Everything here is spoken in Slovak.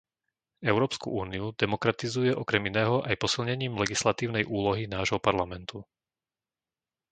Európsku úniu demokratizuje okrem iného aj posilnením legislatívnej úlohy nášho Parlamentu.